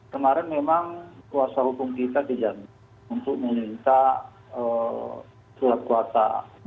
kemarin memang kuasa hukum kita dijamin untuk meminta surat kuasa